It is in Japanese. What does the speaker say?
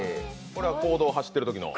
これは公道を走ってるときの？